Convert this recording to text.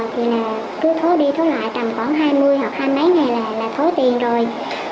thì là cứ thố đi thố lại tầm khoảng hai mươi hoặc hai mươi mấy ngày là thố tiền rồi